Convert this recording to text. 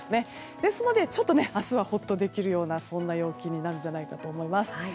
ですので、ちょっと明日はほっとできるようなそんな陽気になるんじゃないかと思います。